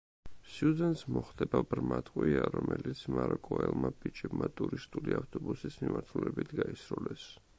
სიუზენს მოხდება ბრმა ტყვია, რომელიც მაროკოელმა ბიჭებმა ტურისტული ავტობუსის მიმართულებით გაისროლეს.